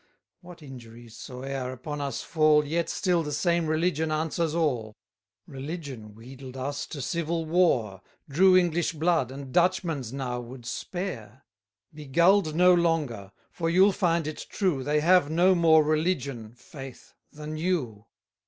What injuries soe'er upon us fall, Yet still the same religion answers all. Religion wheedled us to civil war, Drew English blood, and Dutchmen's now would spare. Be gull'd no longer; for you'll find it true, They have no more religion, faith! than you.